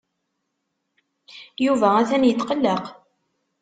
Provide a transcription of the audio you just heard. Yuba atan yetqelleq.